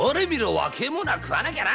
若い者は食わなきゃな！